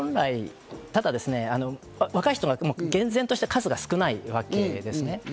ただですね、若い人が厳然として数が少ないわけです。